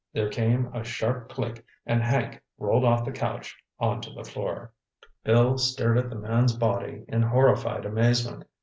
There came a sharp click and Hank rolled off the couch on to the floor. Bill stared at the man's body in horrified amazement.